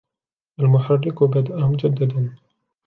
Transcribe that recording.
المحرك بدأ مجدداً.